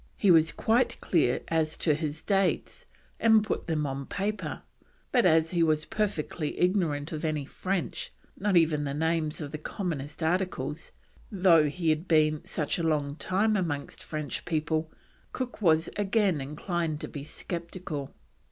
He was quite clear as to his dates, and put them on paper; but as he was perfectly ignorant of any French, "not even the names of the commonest articles," though he had been such a long time amongst French people, Cook was again inclined to be sceptical.